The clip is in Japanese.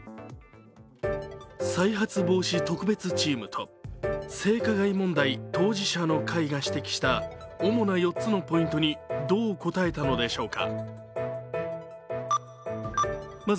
再発防止特別チームと性加害問題当事者の会が指摘した主な４つのポイントにどう答えたのでしょうか。